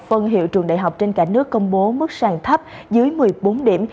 phân hiệu trường đại học trên cả nước công bố mức sàng thấp dưới một mươi bốn điểm